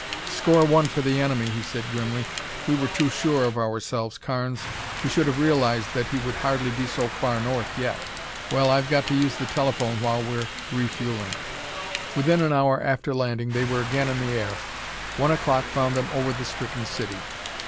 "Score one for the enemy," he said grimly. "We were too sure of ourselves, Carnes. We should have realized that he would hardly be so far north yet. Well, I've got to use the telephone while we're refueling." Within an hour after landing they were again in the air One o'clock found them over the stricken city.